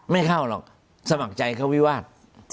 ไม่เข้าหรอกสมัครใจเข้าวิวาส